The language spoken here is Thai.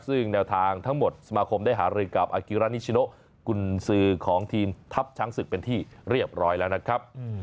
ซึ่งแนวทางทั้งหมดสมาคมได้หารือกับอากิรานิชิโนกุญสือของทีมทัพช้างศึกเป็นที่เรียบร้อยแล้วนะครับ